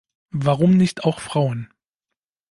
Warum nicht auch Frauen?